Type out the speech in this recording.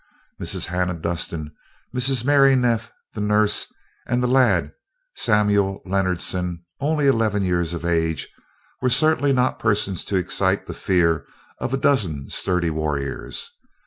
Mrs. Hannah Dustin, Mrs. Mary Neff the nurse, and the lad Samuel Leonardson, only eleven years of age, were certainly not persons to excite the fear of a dozen sturdy warriors.